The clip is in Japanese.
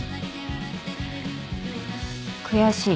悔しい。